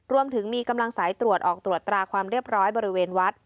รวมถึงมีกำลังสายตรวจออกตรวจตราความเรียบร้อยบริเวณวัด